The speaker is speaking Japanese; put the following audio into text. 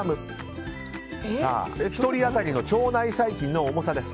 １人当たりの腸内細菌の重さです。